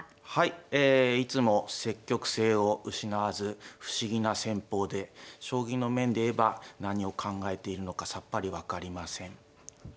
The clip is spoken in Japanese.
いつも積極性を失わず不思議な戦法で将棋の面で言えば何を考えているのかさっぱり分かりません。